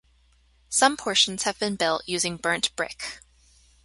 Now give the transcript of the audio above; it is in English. Some portions have been built using burnt brick.